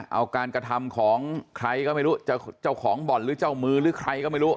เอาการกระทำของใครก็ไม่รู้จะเจ้าของบ่อนหรือเจ้ามือหรือใครก็ไม่รู้